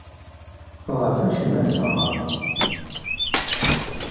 Tḍeɛfeḍ acemma, neɣ?